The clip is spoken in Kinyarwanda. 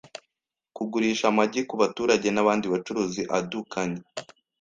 kugurisha amagi ku baturage n’abandi bacuruzi andukanye